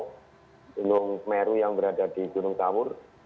gunung meru yang berada di gunung tawur